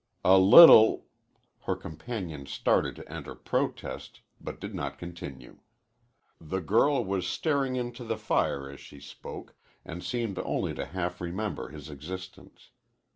"A little " Her companion started to enter protest, but did not continue. The girl was staring into the fire as she spoke and seemed only to half remember his existence.